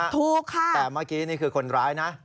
ถูกค่ะแต่เมื่อกี้นี่คือคนร้ายนะ